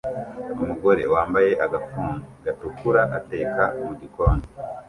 Umugore wambaye agafuni gatukura ateka mugikoni